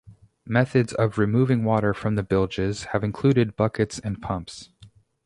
Methods of removing water from bilges have included buckets and pumps.